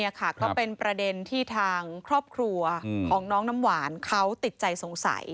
นี่ค่ะก็เป็นประเด็นที่ทางครอบครัวของน้องน้ำหวานเขาติดใจสงสัย